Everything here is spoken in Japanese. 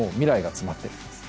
詰まっているんですね。